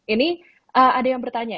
ini ada yang bertanya